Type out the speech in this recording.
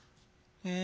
え？